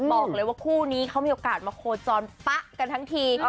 บอกเลยว่าคู่นี้เขามีโอกาสมาโคจรปะกันทั้งที